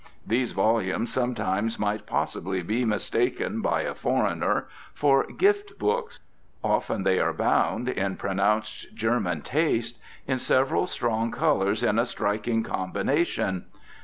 These volumes sometimes might possibly be mistaken, by a foreigner, for "gift books." Often they are bound, in pronounced German taste, in several strong colours in a striking combination.